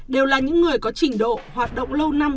đều là những người có trình độ hoạt động lâu năm